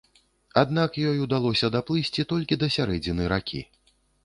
Аднак ёй удалося даплысці толькі да сярэдзіны ракі.